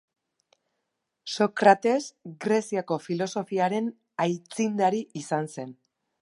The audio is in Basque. Sokrates Greziako filosofiaren aitzindari izan zen.